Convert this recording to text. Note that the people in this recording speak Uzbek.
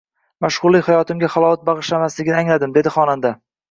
Mashhurlik hayotimga halovat bag‘ishlamasligini angladim, — deydi xonanda